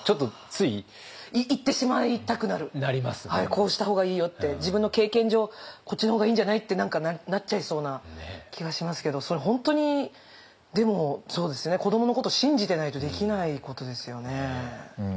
「こうした方がいいよ」って「自分の経験上こっちの方がいいんじゃない？」って何かなっちゃいそうな気がしますけどそれ本当にでもそうですよね子どものこと信じてないとできないことですよね。